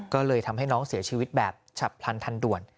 ก็เลยทำให้น้องเสียชีวิตแบบฉับพลันทันด่วน